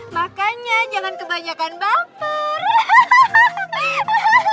makanya jangan kebanyakan baper